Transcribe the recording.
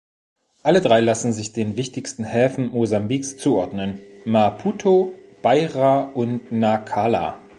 Alle drei lassen sich den wichtigsten Häfen Mosambiks zuordnen: Maputo, Beira und Nacala.